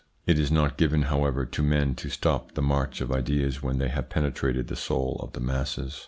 It is not given, however, to men to stop the march of ideas when they have penetrated the soul of the masses.